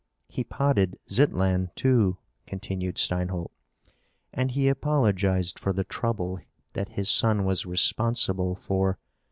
He potted Zitlan, too," continued Steinholt, "and he apologized for the trouble that his son was responsible for.